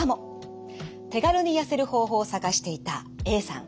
手軽に痩せる方法を探していたＡさん。